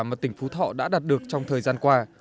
mà tỉnh phú thọ đã đạt được trong thời gian qua